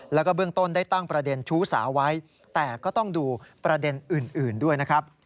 แล้วก็เบื้องต้นได้ตั้งประเด็นชู้สาวไว้แต่ก็ต้องดูประเด็นอื่นด้วยนะครับ